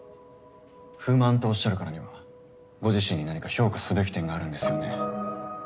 不満とおっしゃるからにはご自身に何か評価すべき点があるんですよね？